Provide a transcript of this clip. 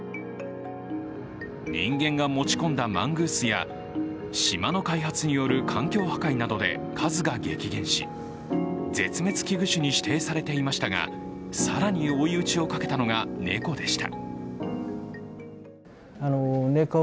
人間が持ち込んだマングースや、島の開発による環境破壊などで数が激減し、絶滅危惧種に指定されていましたが更に、追い打ちをかけたのが猫でした。